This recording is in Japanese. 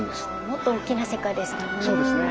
もっと大きな世界ですもんね。